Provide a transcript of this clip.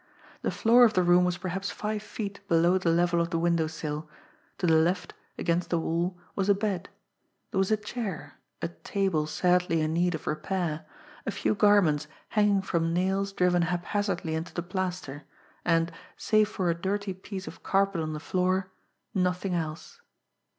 The floor of the room was perhaps five feet below the level of the window sill; to the left, against the wall, was a bed; there was a chair, a table sadly in need of repair, a few garments hanging from nails driven haphazardly into the plaster, and, save for a dirty piece of carpet on the floor, nothing else.